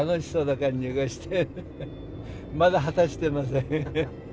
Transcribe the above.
まだ果たしてません。